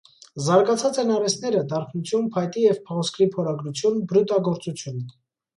Զարգացած են արհեստները (դարբնություն, փայտի և փղոսկրի փորագրություն, բրուտագործություն)։